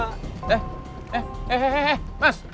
eh eh eh eh eh mas